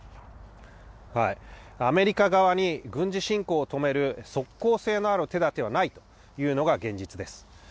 アメリカ側に軍事侵攻を止める即効性のある手だてはないというのが現実です。